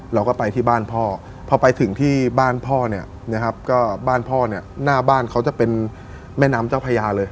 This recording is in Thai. เราก็ไปที่บ้านพ่อพอไปถึงที่บ้านพ่อเนี่ยนะครับก็บ้านพ่อเนี่ยหน้าบ้านเขาจะเป็นแม่น้ำเจ้าพญาเลย